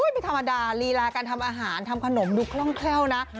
ไม่ธรรมดาลีลาการทำอาหารทำขนมดูคล่องแคล่วนะ